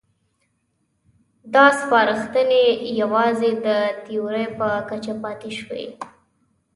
دا سپارښتنې یوازې د تیورۍ په کچه پاتې شوې.